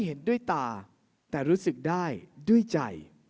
เห็นด้วยตาแต่รู้สึกได้ด้วยใจ